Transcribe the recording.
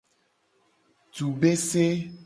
Tsu bese.